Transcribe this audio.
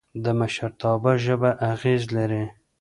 د مشرتابه ژبه اغېز لري